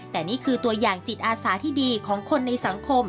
แต่นี่คือตัวอย่างจิตอาสาที่ดีของคนในสังคม